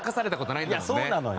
いやそうなのよ。